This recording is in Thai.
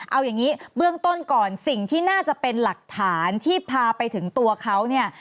เอาอย่างนี้เบื้องต้นก่อนสิ่งที่น่าจะเป็นหลักฐานที่พาไปถึงตัวเขาเนี่ย